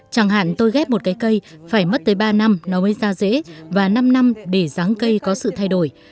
chẳng hạn tôi ghép một cây phải mất tới ba năm nó mới ra rễ và năm năm để ráng cây có sự thay đổi